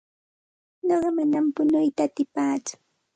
Nuqa manam punuyta atipaatsu.